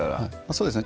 そうですね